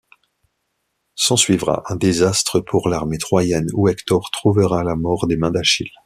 S'ensuivra un désastre pour l'armée troyenne, où Hector trouvera la mort des mains d'Achille.